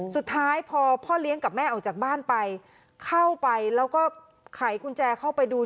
สุดท้ายพอพ่อเลี้ยงกับแม่ออกจากบ้านไปเข้าไปแล้วก็ไขกุญแจเข้าไปดู